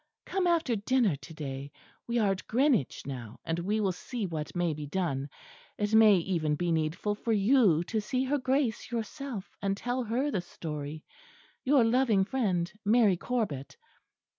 Come after dinner to day; we are at Greenwich now; and we will see what may be done. It may even be needful for you to see her Grace yourself, and tell her the story. Your loving friend, Mary Corbet."